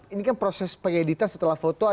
ini kan proses pengeditan setelah foto